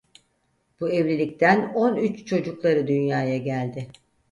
Bu evlilikten on üç çocukları dünyaya geldi.